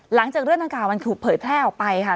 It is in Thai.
หลังจากเรื่องดังกล่ามันถูกเผยแพร่ออกไปค่ะ